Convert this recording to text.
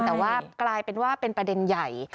แต่ว่ากลายเป็นว่าเป็นประเด็นใหญ่